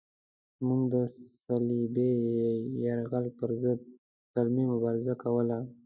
موږ د صلیبي یرغل پرضد قلمي مبارزه کوله.